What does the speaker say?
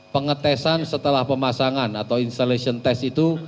pengetesan setelah pemasangan atau instalation test itu